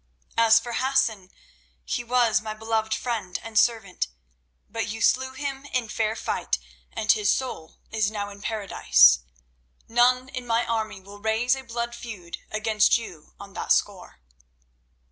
"As for Hassan, he was my beloved friend and servant, but you slew him in fair fight, and his soul is now in Paradise. None in my army will raise a blood feud against you on that score."